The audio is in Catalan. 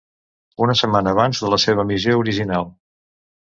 Una setmana abans de la seva emissió original.